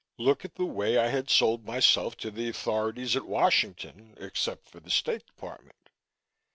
Look at the way I had sold myself to the authorities at Washington, except for the State Department.